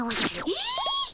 えっ？